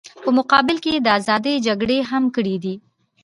په مقابل کې یې د ازادۍ جګړې هم کړې دي.